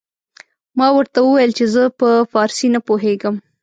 ما ورته وويل چې زه په فارسي نه پوهېږم.